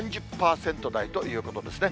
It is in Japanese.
３０％台ということですね。